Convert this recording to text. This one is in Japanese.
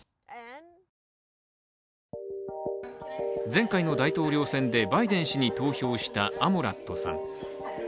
前回の大統領選でバイデン氏に投票したアモラットさん。